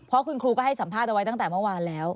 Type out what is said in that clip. เพราะคุณครูก็ให้สัมภาษณ์เอาไว้ตั้งแต่เมื่อวานแล้ว